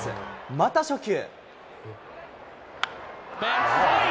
また初球。